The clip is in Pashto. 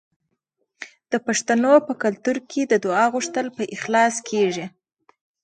د پښتنو په کلتور کې د دعا غوښتل په اخلاص کیږي.